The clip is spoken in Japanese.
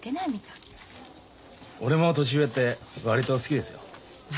俺も年上って割と好きですよ。